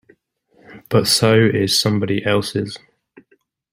But so is somebody else's.